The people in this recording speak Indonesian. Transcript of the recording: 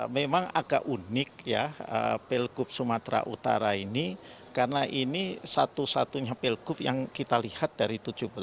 memang agak unik ya pilkup sumatera utara ini karena ini satu satunya pilgub yang kita lihat dari tujuh belas